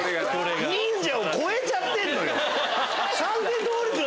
忍者を超えちゃってんのよ！